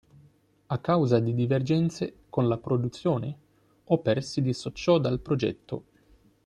A causa di divergenze con la produzione, Hopper si dissociò dal progetto.